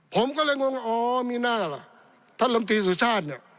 ผมก็เลยงงอ๋อมีหน้าล่ะท่านลำตีสุชาติเนี่ย